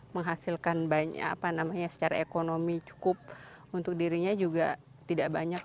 menghasilkan banyak apa namanya secara ekonomi cukup untuk dirinya juga tidak banyak